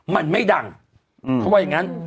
มันไม่ดังเขาว่าอย่างนั้น